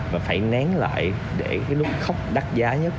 và phải nén lại để cái lúc khóc đắt giá nhất